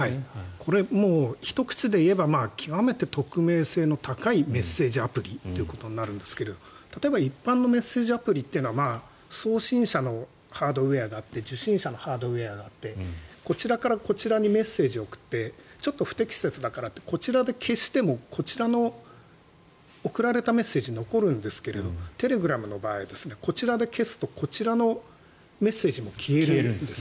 これ、ひと口で言えば極めて匿名性の高いメッセージアプリということになるんですが例えば一般のメッセージアプリというのは送信者のハードウェアがあって受信者のハードウェアがあってこちらからこちらにメッセージを送ってちょっと不適切だからってこちらで消してもこちらの送られたメッセージが残るんですがテレグラムの場合はこちらで消すとこちらのメッセージも消えるんです。